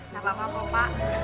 gak apa apa pak